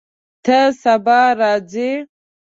ته سبا راځې؟